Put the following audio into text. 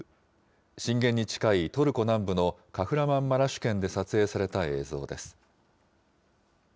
震源に近いトルコ南部のカフラマンマラシュ県で撮影された映像です。